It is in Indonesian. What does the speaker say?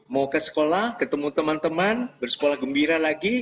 mau ke sekolah ketemu teman teman bersekolah gembira lagi